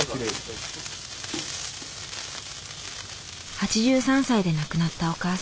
８３歳で亡くなったお母さん。